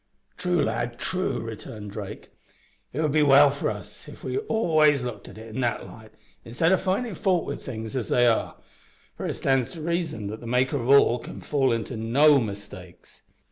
"True, lad, true," returned Drake. "It would be well for us if we always looked at it in that light, instead o' findin' fault wi' things as they are, for it stands to reason that the Maker of all can fall into no mistakes."